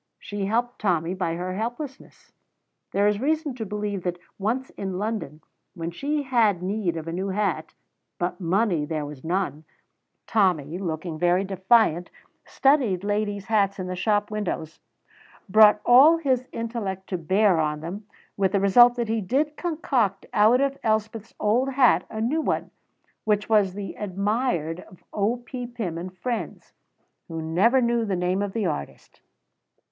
She helped Tommy by her helplessness. There is reason to believe that once in London, when she had need of a new hat, but money there was none, Tommy, looking very defiant, studied ladies' hats in the shop windows, brought all his intellect to bear on them, with the result that he did concoct out of Elspeth's old hat a new one which was the admired of O.P. Pym and friends, who never knew the name of the artist.